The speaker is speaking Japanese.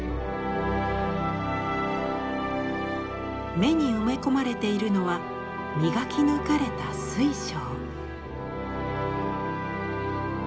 目に埋め込まれているのは磨き抜かれた水晶。